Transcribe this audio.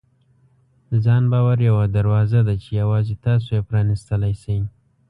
د ځان باور یوه دروازه ده چې یوازې تاسو یې پرانیستلی شئ.